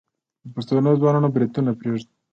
د پښتنو ځوانان بروتونه پریږدي.